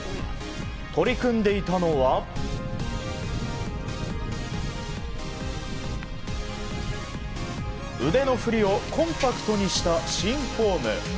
取り組んでいたのは腕の振りをコンパクトにした新フォーム。